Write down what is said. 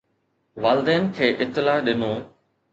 والدين کي اطلاع ڏنو